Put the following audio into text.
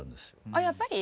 あやっぱり？